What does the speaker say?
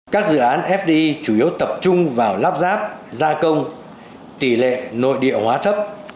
các dự án fdi chủ yếu tập trung vào lắp ráp gia công tỷ lệ nội địa hóa thấp